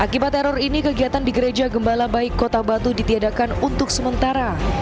akibat teror ini kegiatan di gereja gembala baik kota batu ditiadakan untuk sementara